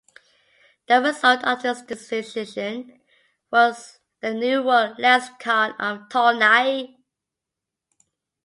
The result of this decision was the New world lexicon of Tolnai.